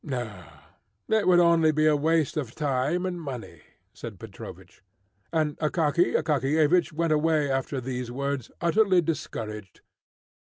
"No, it would only be a waste of time and money," said Petrovich. And Akaky Akakiyevich went away after these words, utterly discouraged.